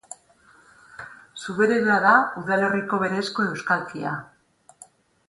Zuberera da udalerriko berezko euskalkia.